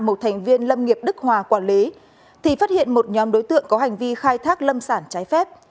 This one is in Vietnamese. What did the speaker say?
một thành viên lâm nghiệp đức hòa quản lý thì phát hiện một nhóm đối tượng có hành vi khai thác lâm sản trái phép